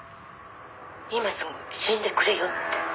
「“今すぐ死んでくれよ”って」